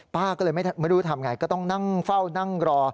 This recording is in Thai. ป้าก็เลยไม่รู้ทำไงก็ต้องนั่งเฝ้านั่งรอ